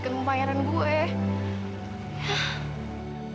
percaya dong mesej